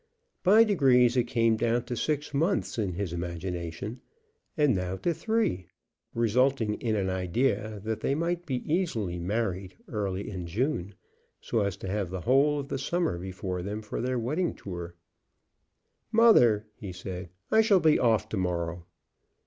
By degrees it came down to six months in his imagination, and now to three, resulting in an idea that they might be easily married early in June, so as to have the whole of the summer before them for their wedding tour. "Mother," he said, "I shall be off to morrow."